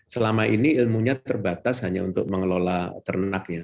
selama ini ilmunya terbatas hanya untuk mengelola ternaknya